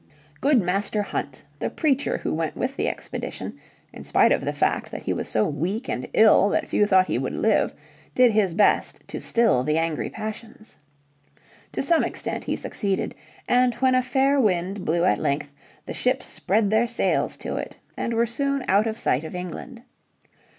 Good Master Hunt, the preacher who went with the expedition, in spite of the fact that he was so weak and ill that few thought he would live, did his best to still the angry passions. To some extent he succeeded. And when a fair wind blew at length the ships spread their sails to it and were soon out of sight of England.